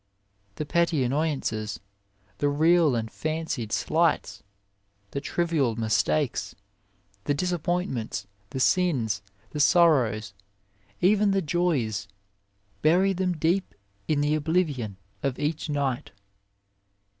The petty annoyances, the real and 25 A WAY fancied slights, the trivial mistakes, the disappointments, the sins, the sorrows, even the joys bury them deep in the oblivion of each night.